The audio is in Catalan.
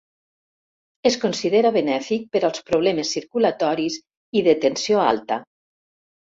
Es considera benèfic per als problemes circulatoris i de tensió alta.